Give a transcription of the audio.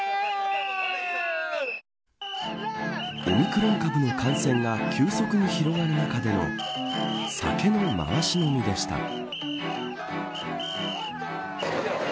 オミクロン株の感染が急速に広がる中での酒の回し飲みでした。